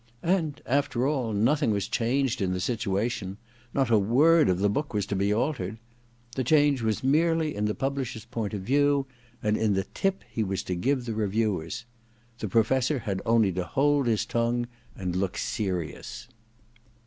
And, after all, nothing was changed in the situation ; not a word of the book was to be altered. The change was merely in the publisher's point of view, and in the * tip ' he was to give the reviewers. The Professor had only to hold his tongue and look serious.